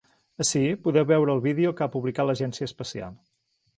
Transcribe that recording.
Ací podeu veure el vídeo que ha publicat l’agència espacial.